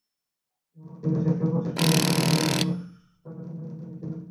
এমনও দিন গেছে, প্রতিষ্ঠানের হাজার-হাজার টাকা সঙ্গে নিয়ে গ্যালারিতে খেলা দেখেছেন।